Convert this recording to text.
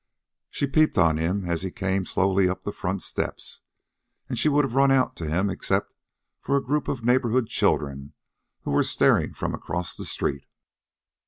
She peeped on him as he came slowly up the front steps, and she would have run out to him except for a group of neighborhood children who were staring from across the street.